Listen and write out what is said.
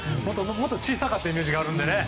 もっと小さかったイメージがあるんでね。